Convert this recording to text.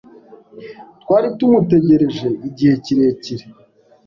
Twari tumutegereje igihe kirekire.